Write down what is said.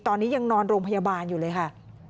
ตอนนี้ยังนอนโรงพยาบาลอยู่เลยค่ะ